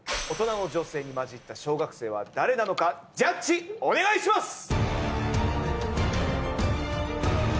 大人の女性に混じった小学生は誰なのかジャッジお願いします！